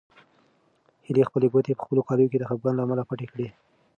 هیلې خپلې ګوتې په خپلو کالیو کې د خپګان له امله پټې کړې.